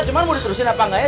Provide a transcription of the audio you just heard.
cuma mau diterusin apa enggak ya